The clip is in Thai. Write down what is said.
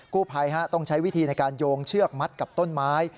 ผู้ภัยต้องใช้วิธีในการโยงเชือกมัดกับต้นไม้